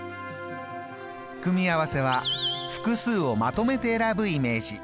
組み合わせは複数をまとめて選ぶイメージ。